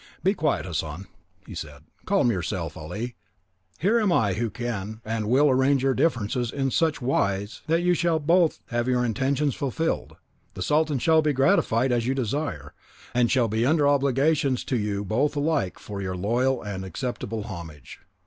"Be quiet, Hassan," he said; "calm yourself, Ali; here am I who can and will arrange your differences in such wise that you shall both have your intentions fulfilled, the Sultan shall be gratified as you desire, and shall be under obligations to you both alike for your loyal and acceptable homage."